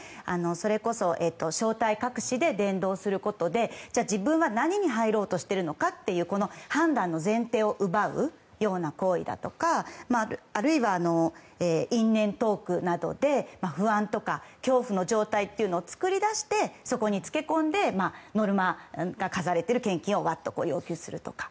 それこそ正体隠しで伝道することで自分は何に入ろうとしているのかというこの判断の前提を奪うような行為だとかあるいは因縁トークなどで不安とか恐怖の状態を作り出してそこにつけ込んでノルマが課されている献金を要求するとか。